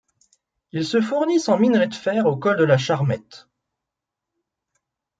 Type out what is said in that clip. Ils se fournissent en minerai de fer au col de la Charmette.